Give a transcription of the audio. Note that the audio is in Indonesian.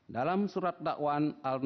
dalam surat dakwaan